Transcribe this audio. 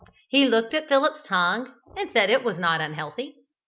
He looked at Philip's tongue and said it was not unhealthy.